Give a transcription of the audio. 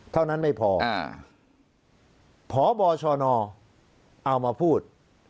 เท่านั้นไม่พอพบชนเอามาพูด